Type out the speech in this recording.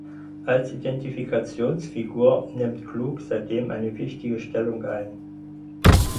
Als Identifikationsfigur nimmt Klug seit dem eine wichtige Stellung ein.